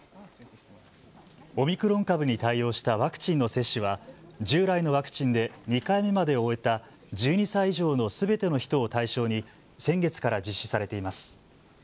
オミクロン株に対応したワクチンの接種は従来のワクチンで２回目までを終えた１２歳以上のすべての人を対象に先月から実施されています。